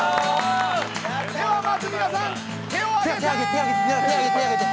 ではまず皆さん、手を挙げて。